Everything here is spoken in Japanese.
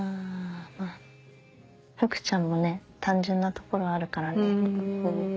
まぁ福ちゃんもね単純なところあるからね。